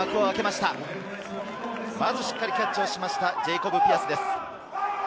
しっかりキャッチをしました、ジェイコブ・ピアスです。